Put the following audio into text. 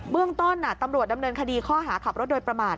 เรื่องต้นตำรวจดำเนินคดีข้อหาขับรถโดยประมาท